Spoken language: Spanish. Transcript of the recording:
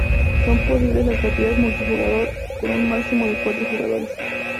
Son posibles las partidas multijugador, con un máximo de cuatro jugadores.